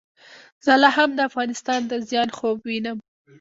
زه لا هم د افغانستان د زیان خوب وینم.